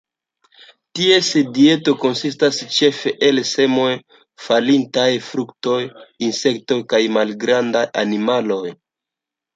Ties dieto konsistas ĉefe el semoj, falintaj fruktoj, insektoj kaj malgrandaj animaloj.